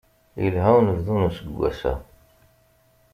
Ilha unebdu n useggas-a.